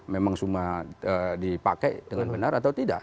memang semua dipakai dengan benar atau tidak